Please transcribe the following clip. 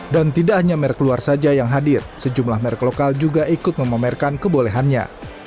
dan tidak hanya merek luar saja yang hadir sejumlah merek lokal juga ikut memamerkan kebolehannya